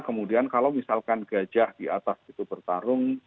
kemudian kalau misalkan gajah di atas itu bertarung